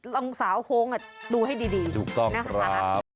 ลองสาวโค้งดูให้ดีนะครับ